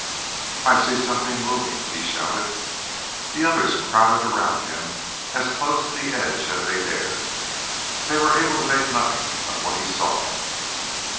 "I see something moving," he shouted. The others crowded around him as close to the edge as they dared. They were able to make nothing of what he saw.